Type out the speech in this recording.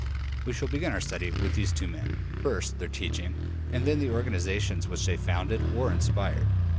We shall begin our study with these two men first their teaching, and then the organizations which they founded or inspired.